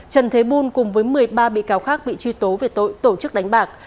trần thế bùn cùng với một mươi ba bị cáo khác bị truy tố về tội tổ chức đánh bạc